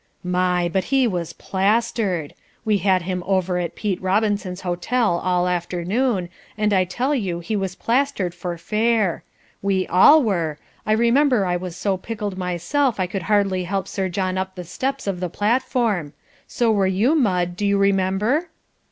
"My! but he was PLASTERED. We had him over at Pete Robinson's hotel all afternoon, and I tell you he was plastered for fair. We ALL were. I remember I was so pickled myself I could hardly help Sir John up the steps of the platform. So were you, Mudd, do you remember?"